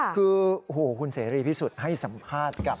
คือโอ้โหคุณเสรีพิสุทธิ์ให้สัมภาษณ์กับ